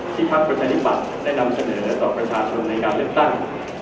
ภักดิ์ประชาธิบัติได้นำเสนอต่อประชาชนในการเลือกตั้ง